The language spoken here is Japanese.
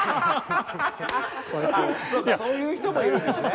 そうかそういう人もいるんですね。